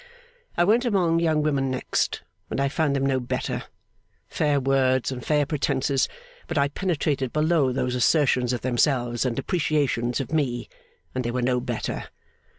I went among young women next, and I found them no better. Fair words and fair pretences; but I penetrated below those assertions of themselves and depreciations of me, and they were no better.